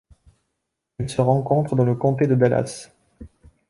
Elle se rencontre dans le comté de Dallas.